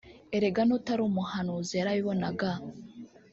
Erega n’utari umuhanuzi yarabibonaga